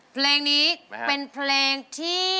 เพลงนี้เป็นเพลงที่